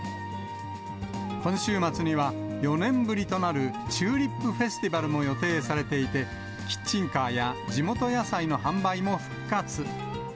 今週末には、４年ぶりとなるチューリップフェスティバルも予定されていて、キッチンカーや地元野菜の販売も復活。